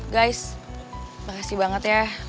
guys makasih banget ya